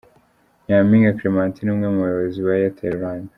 Nyampinga Clementine umwe mu bayobozi ba Airtel Rwanda.